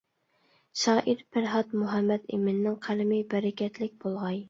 شائىر پەرھات مۇھەممەد ئىمىننىڭ قەلىمى بەرىكەتلىك بولغاي.